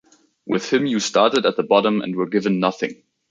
With him you started at the bottom and were given nothing.